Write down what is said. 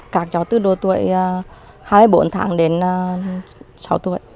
các cháu từ độ tuổi hai mươi bốn tháng đến sáu tuổi